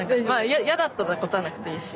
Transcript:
嫌だったら答えなくていいし。